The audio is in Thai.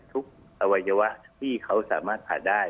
อวัยวะที่เขาสามารถผ่าได้